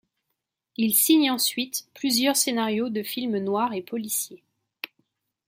Il signe ensuite plusieurs scénarios de films noirs et policiers.